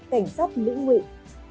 cảnh sát lĩnh nguyện